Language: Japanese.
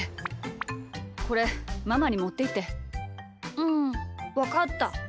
うんわかった。